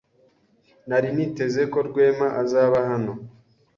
Nari niteze ko Rwema azaba hano.